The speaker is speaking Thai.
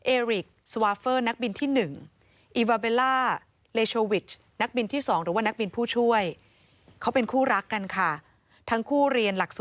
เอริกสวาเฟอร์นักบินที่๑